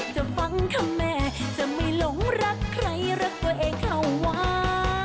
จะฟังคำแม่จะไม่หลงรักใครรักตัวเองเข้าวา